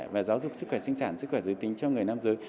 và giáo dục sức khỏe sinh sản sức khỏe giới tính cho người nam giới